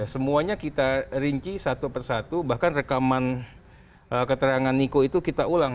semuanya kita rinci satu persatu bahkan rekaman keterangan niko itu kita ulang